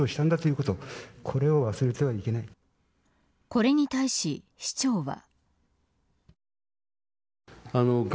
これに対し市長は。